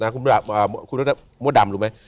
คุณพุทธรรมดำรู้ไหม